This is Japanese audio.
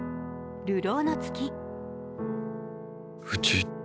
「流浪の月」。